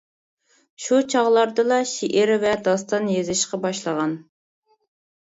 شۇ چاغلاردىلا شېئىر ۋە داستان يېزىشقا باشلىغان.